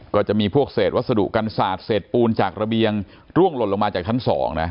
ก็จะมีพวกเศษวัสดุกันศาสตร์เศษปูนจากระเบียงร่วงหล่นลงมาจากชั้น๒นะ